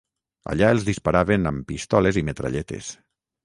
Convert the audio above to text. Allà els disparaven amb pistoles i metralletes.